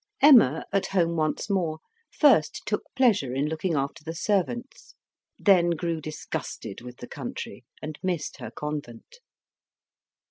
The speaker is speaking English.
Emma, at home once more, first took pleasure in looking after the servants, then grew disgusted with the country and missed her convent.